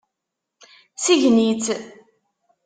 Sgen-itt.